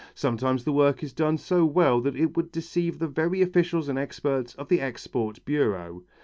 Sometimes the work is done so well that it would deceive the very officials and experts of the export bureau.